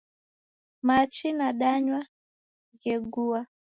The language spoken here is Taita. Machi nadanywa ghegua